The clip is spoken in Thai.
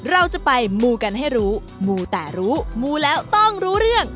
เราจะไปมูกันให้รู้มูแต่รู้มูแล้วต้องรู้เรื่อง